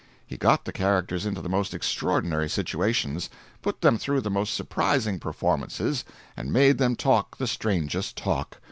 He got the characters into the most extraordinary situations, put them through the most surprising performances, and made them talk the strangest talk!